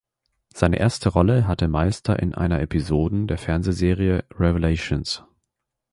Seine erste Rolle hatte Meister in einer Episoden der Fernsehserie "Revelations".